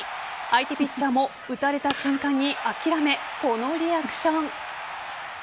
相手ピッチャーも打たれた瞬間に諦めこのリアクション。